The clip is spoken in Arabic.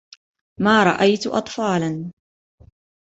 ما رأيت أطفالاََ.